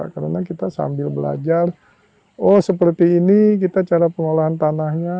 karena kita sambil belajar oh seperti ini kita cara pengelolaan tanahnya